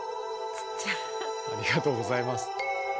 ありがとうございます。